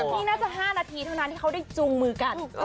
นี่น่าจะ๕นาทีเท่านั้นที่เขาได้จูงมือกัน